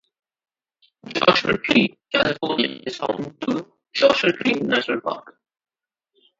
Joshua Tree, California is home to Joshua Tree National Park.